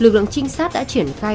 lực lượng trinh sát đã triển khai